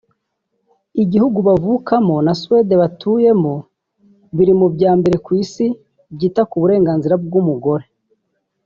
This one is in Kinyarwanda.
igihugu bavukamo na Suède batuyemo biri mu bya mbere ku Isi byita ku burenganzira bw’umugore